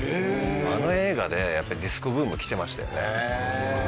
あの映画でやっぱりディスコブーム来てましたよね。